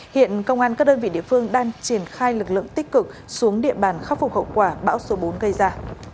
hiện công an các đơn vị địa phương đang triển khai lực lượng tích cực xuống địa bàn khắc phục hậu quả bão số bốn gây ra